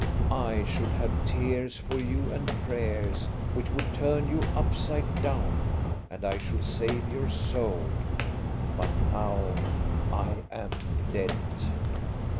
I should have tears for you and prayers, which would turn you upside down, and I should save your soul ; but now I am dead.